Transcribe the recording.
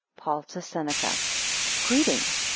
PAUL to SENECA Greeting.